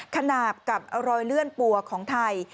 ขนาดกับรอยเลื่อนปัวของไทย